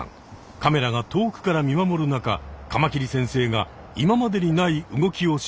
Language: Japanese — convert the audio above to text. カメラが遠くから見守る中カマキリ先生が今までにない動きをし始めた。